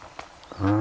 うん。